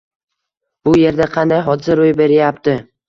Bu yerda qanday hodisa ro’y berayapti?